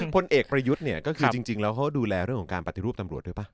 พลเอกประยุทธ์เนี่ยก็คือจริงแล้วเขาดูแลเรื่องของการปฏิรูปตำรวจด้วยป่ะ